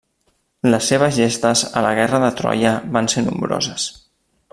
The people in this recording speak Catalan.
Les seves gestes a la guerra de Troia van ser nombroses.